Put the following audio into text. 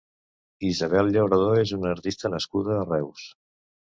Isabel Llauradó és una artista nascuda a Reus.